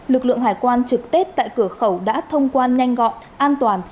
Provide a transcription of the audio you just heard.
lực lượng hải quan trực tết tại cửa khẩu đã thông quan nhanh gọn an toàn